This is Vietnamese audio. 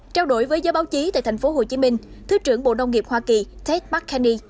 trao đổi với do báo chí tại thành phố hồ chí minh thứ trưởng bộ nông nghiệp hoa kỳ ted mckinney